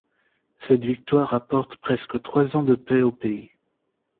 Cette victoire apporte presque trois ans de paix au pays.